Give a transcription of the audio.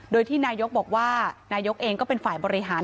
โดยที่นายกบอกว่านายกเองก็เป็นฝ่ายบริหาร